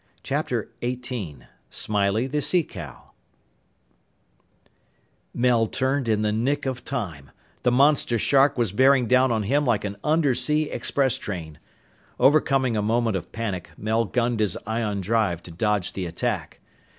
CHAPTER XVIII SMILEY THE SEA COW Mel turned in the nick of time. The monster shark was bearing down on him like an undersea express train. Overcoming a moment of panic, Mel gunned his ion drive to dodge the attack.